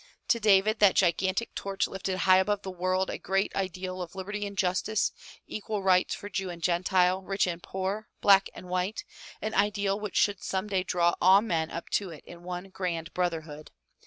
To David that gigantic torch lifted high above the world a great ideal of liberty and justice, equal rights for Jew and Gentile, rich and poor, black and white, an ideal which should some day draw all men up to it in one grand brotherhood.